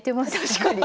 確かに。